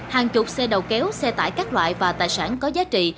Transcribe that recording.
hàng chục xe đầu kéo xe tải các loại và tài sản có giá trị